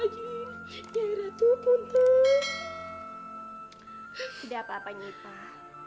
tidak apa apa nyipah